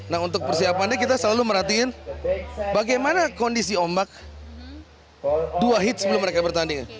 nah untuk persiapannya kita selalu merhatiin bagaimana kondisi ombak dua hit sebelum mereka bertanding